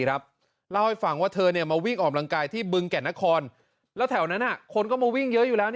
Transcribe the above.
เล่าให้ฟังว่าเธอมาวิ่งออกกำลังกายที่บึงแก่นนครแล้วแถวนั้นคนก็มาวิ่งเยอะอยู่แล้ว